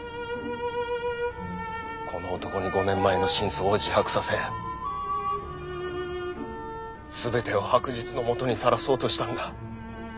この男に５年前の真相を自白させ全てを白日の下にさらそうとしたんだ。